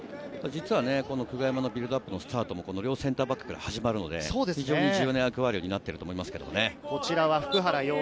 実は久我山のビルドアップのスタートの両センターバックから始まるので非常に重要な役割を担ってると思います。